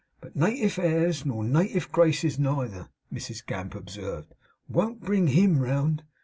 But native airs nor native graces neither,' Mrs Gamp observed, 'won't bring HIM round.